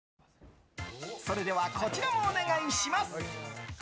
それではこちらもお願いします。